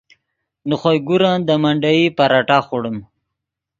نے خوئے گورن دے منڈیئی پراٹھہ خوڑیم